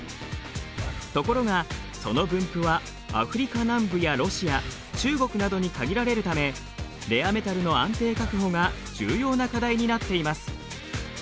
ところがその分布はアフリカ南部やロシア中国などに限られるためレアメタルの安定確保が重要な課題になっています。